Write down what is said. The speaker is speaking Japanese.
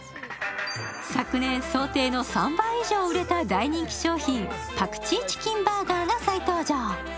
昨年、想定の３倍以上売れた大人気商品パクチーチキンバーガーが再登場。